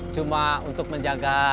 cuma untuk menjaga